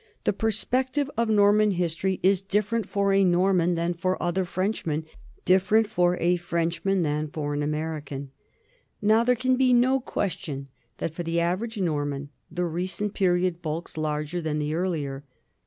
The perspective of Norman history is different for a Norman NORMANDY IN HISTORY 19 than for other Frenchmen, different for a Frenchman than for an American. Now there can be no question that for the average Norman the recent period bulks larger than the earlier.